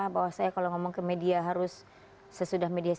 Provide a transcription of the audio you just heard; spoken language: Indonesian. bahwa saya kalau ngomong ke media harus sesudah media sosial